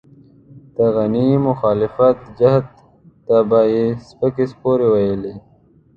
د غني مخالف جهت ته به يې سپکې سپورې ويلې.